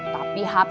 tapi hpnya butut